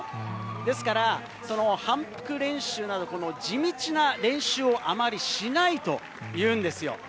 ですから、反復練習など、地道な練習をあまりしないというんですよ。